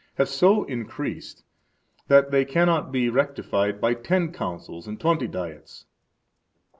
have so increased that they cannot be rectified by ten Councils and twenty Diets.